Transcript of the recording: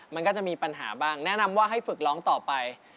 มันก็จะมีปัญหาบ้างแนะนำว่าให้ฝึกร้องต่อไป